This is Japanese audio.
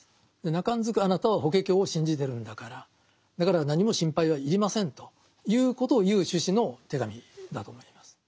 なかんずくあなたは「法華経」を信じてるんだからだから何も心配は要りませんということを言う趣旨の手紙だと思います。